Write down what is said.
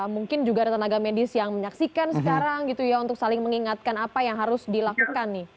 mungkin juga ada tenaga medis yang menyaksikan sekarang gitu ya untuk saling mengingatkan apa yang harus dilakukan nih